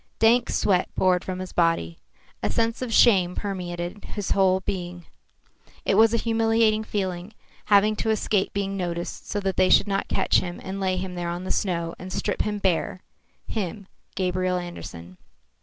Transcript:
Dank sweat poured from his body. A sense of shame permeated his whole being. It was a humiliating feeling, having to escape being noticed so that they should not catch him and lay him there on the snow and strip him bare him, Gabriel Andersen.